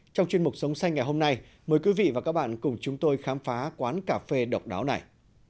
trong chuyên mục sống xanh ngày hôm nay mời quý vị và các bạn cùng chúng tôi khám phá quán cà phê độc đáo này